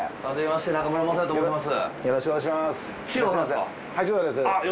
よろしくお願いします。